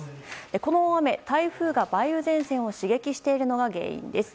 この大雨、台風が梅雨前線を刺激しているのが原因です。